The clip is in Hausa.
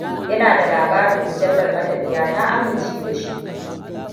Ina da labarin da mujallar matafiya ta amince da shi.